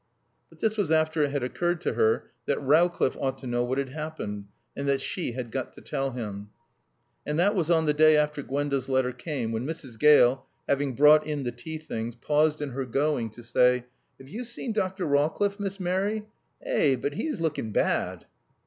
But this was after it had occurred to her that Rowcliffe ought to know what had happened and that she had got to tell him. And that was on the day after Gwenda's letter came, when Mrs. Gale, having brought in the tea things, paused in her going to say, "'Ave yo' seen Dr. Rawcliffe, Miss Mary? Ey but 'e's lookin' baad."